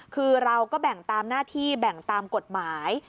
คือเราก็แบ่งตามหน้าที่แบ่งตามกฎหมาย